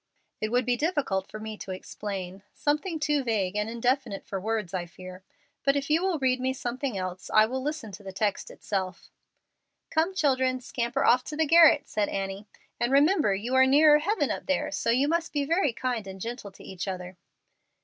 "It would be difficult for me to explain something too vague and indefinite for words, I fear. But if you will read me something else I will listen to the text itself." "Come, children, scamper off to the garret," said Annie, "and remember you are nearer heaven up there, and so must be very kind and gentle to each other."